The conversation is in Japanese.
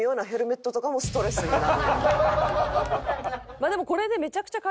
まあでもこれで。